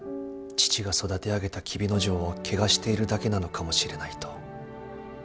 父が育て上げた黍之丞を汚しているだけなのかもしれないと。